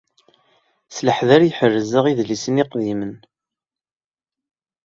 S leḥder i ḥerrzeɣ idlisen iqdimen.